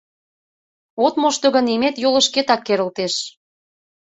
От мошто гын, имет йолышкетак керылтеш.